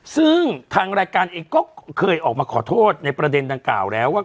ซึ่งทางรายการเองก็เคยออกมาขอโทษในประเด็นดังกล่าวแล้วว่า